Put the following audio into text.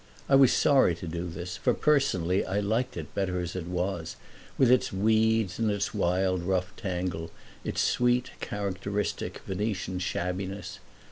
I was sorry to do this, for personally I liked it better as it was, with its weeds and its wild, rough tangle, its sweet, characteristic Venetian shabbiness.